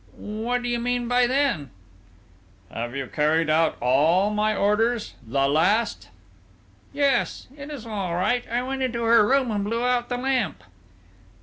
"What do you mean by then?" "Have you carried out all my orders ... the last?" "Yes, it is all right!... I went into her room and blew out the lamp."